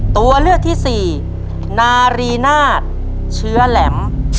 ตัวเลือกที่สี่นารีนาศเชื้อแหลม